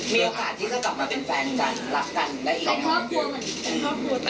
มีโอกาสที่จะกลับมาเป็นแฟนกันหรือหลักกัน